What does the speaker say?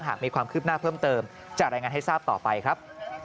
หากมีความคืบหน้าเพิ่มเติมจะรายงานให้ทราบต่อไปครับ